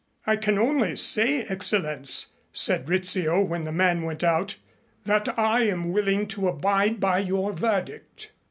"I can only say, Excellenz," said Rizzio, when the man went out, "that I am willing to abide by your verdict."